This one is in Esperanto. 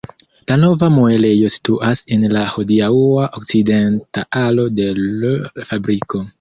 La nova muelejo situas en la hodiaŭa okcidenta alo de l' fabriko.